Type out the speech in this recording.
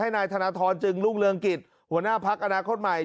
นายธนทรจึงรุ่งเรืองกิจหัวหน้าพักอนาคตใหม่